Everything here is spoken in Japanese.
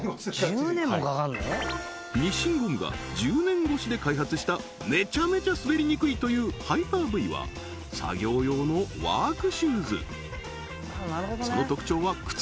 はい日進ゴムが１０年越しで開発しためちゃめちゃ滑りにくいというハイパーＶは作業用のワーク